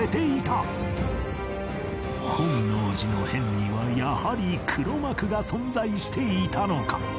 本能寺の変にはやはり黒幕が存在していたのか！？